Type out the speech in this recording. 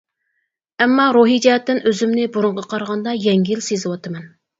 ئەمما روھىي جەھەتتىن ئۆزۈمنى بۇرۇنقىغا قارىغاندا يەڭگىل سېزىۋاتىمەن.